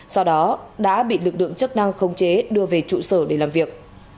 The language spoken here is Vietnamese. sau đó đã bị lực lượng chức năng khống chế đưa về trụ sở để làm việc